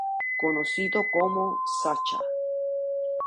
Conocido como "Sacha".